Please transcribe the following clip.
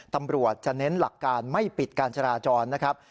ตำรวจจะเน้นหลักการไม่ปิดการจราจรนะครับ